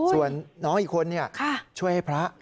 ส่วนน้องอีกคนช่วยให้พระ